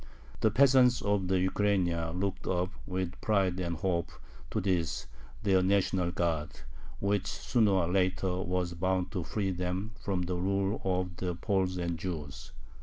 The peasants of the Ukraina looked up with pride and hope to this their national guard, which sooner or later was bound to free them from the rule of the Poles and Jews.